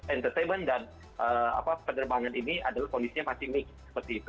entertainment dan penerbangan ini adalah kondisinya masih mix seperti itu